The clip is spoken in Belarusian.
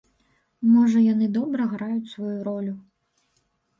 Можа, яны добра граюць сваю ролю.